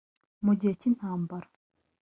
Mu gihe cy’intambara